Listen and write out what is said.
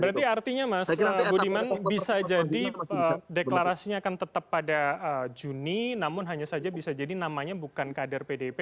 berarti artinya mas budiman bisa jadi deklarasinya akan tetap pada juni namun hanya saja bisa jadi namanya bukan kader pdip